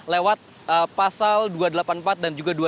lewat pasal dua ratus delapan puluh empat dan juga dua ratus delapan puluh tujuh